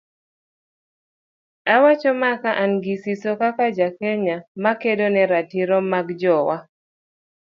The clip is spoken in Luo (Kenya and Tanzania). Awacho mae ka an gi siso kaka ja Kenya makedo ne ratiro mag jowa